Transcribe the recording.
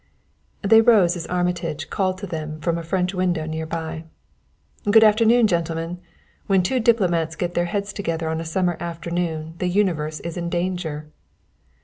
They rose as Armitage called to them from a French window near by. "Good afternoon, gentlemen! When two diplomats get their heads together on a summer afternoon, the universe is in danger."